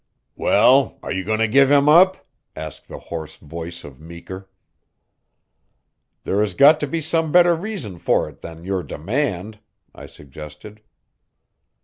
"Well, are you going to give him up?" asked the hoarse voice of Meeker. "There has got to be some better reason for it than your demand," I suggested.